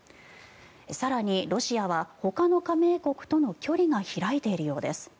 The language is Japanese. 更に、ロシアはほかの加盟国との距離が開いているようです。